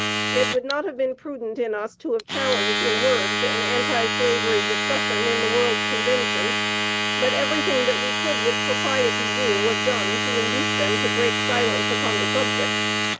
It would not have been prudent in us to have challenged, in words, an anti slavery discussion in the World's Convention; but everything that we could with propriety do was done to induce them to break silence upon the subject.